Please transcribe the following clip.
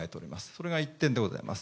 それが１点でございます。